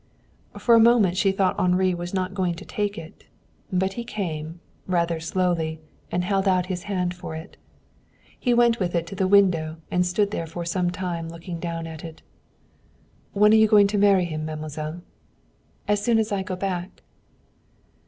For a moment she thought Henri was not going to take it. But he came, rather slowly, and held out his hand for it. He went with it to the window and stood there for some time looking down at it. "When are you going to marry him, mademoiselle?" "As soon as I go back."